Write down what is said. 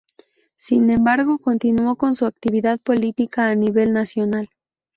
Sin embargo, continuó con su actividad política a nivel nacional.